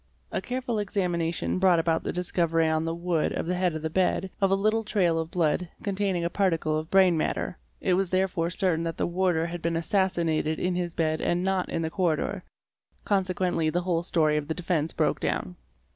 A careful examination brought about the discovery on the wood of the head of the bed, of a little trail of blood containing a parti ~ cle of brain matter; it was therefore certain that the warder had been _ assassinated in his bed and not in the corridor; consequently the whole story of the defence broke down.